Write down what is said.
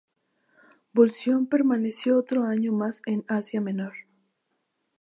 Vulsón permaneció otro año más en Asia Menor.